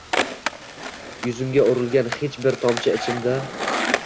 Yuzimga urilgan hech bir tomchi ichimda